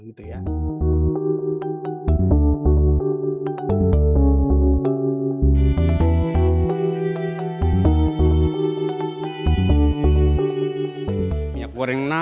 pembelian minyak goreng nama